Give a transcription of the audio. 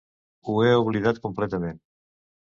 Ho he oblidat completament.